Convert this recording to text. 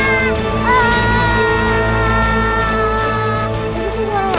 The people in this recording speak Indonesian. ini sih suara apa